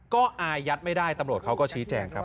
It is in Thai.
ก็อายัดไม่ได้ตำรวจเขาก็ชี้แจงครับ